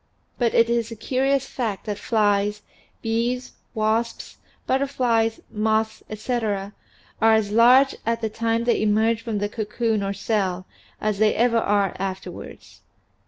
But it is a curious fact that flies, bees, wasps, butterflies, moths, etc., are as large at the time they emerge from the cocoon or cell as they ever are afterwards.